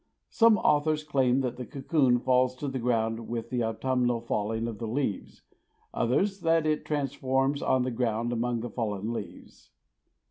Some authors claim that the cocoon falls to the ground with the autumnal falling of the leaves; others that it transforms on the ground among the fallen leaves.